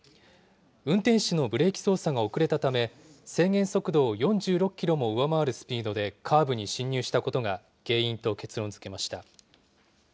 運転士のブレーキ操作が遅れたため、制限速度を４６キロも上回るスピードでカーブに進入したことが原因と結論づけました。